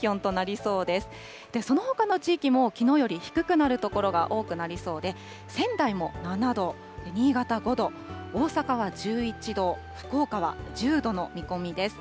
そのほかの地域もきのうより低くなる所が多くなりそうで、仙台も７度、新潟５度、大阪は１１度、福岡は１０度の見込みです。